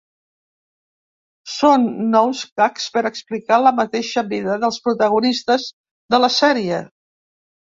Són nous gags ‘per a explicar la mateixa vida’ dels protagonistes de la sèrie.